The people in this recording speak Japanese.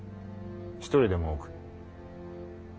一人でも多く。